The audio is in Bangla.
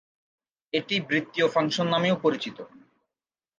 এটি বৃত্তীয় ফাংশন নামেও পরিচিত।